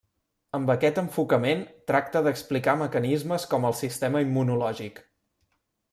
Amb aquest enfocament tracta d'explicar mecanismes com el sistema immunològic.